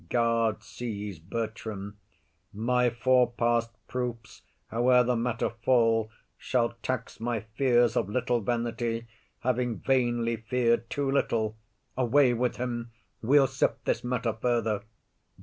[Guards seize Bertram.] My fore past proofs, howe'er the matter fall, Shall tax my fears of little vanity, Having vainly fear'd too little. Away with him. We'll sift this matter further.